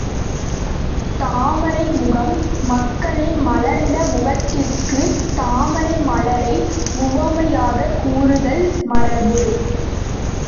தாமரை முகம் மக்களின் மலர்ந்த முகத்திற்குத் தாமரை மலரை உவமையாகக் கூறுதல் மரபு.